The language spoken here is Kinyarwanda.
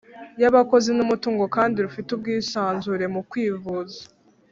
y abakozi n umutungo kandi rufite ubwisanzure mukwivuza